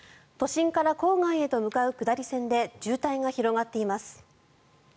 都心から郊外へと向かう下り線で渋滞が広がっています。